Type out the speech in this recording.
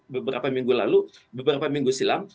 beberapa minggu lalu beberapa minggu silam